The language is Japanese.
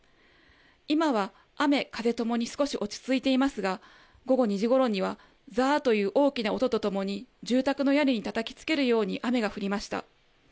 今は雨、風ともに少し落ち着いていますが午後２時ごろにはざーという大きな音とともに住宅の屋根にたたきつけるように雨が降りました。